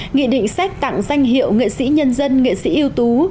nghị định xét tặng danh hiệu nghệ sĩ nhân dân nghệ sĩ ưu tú